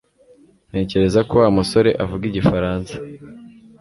Ntekereza ko Wa musore avuga Igifaransa